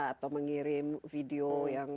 atau mengirim video yang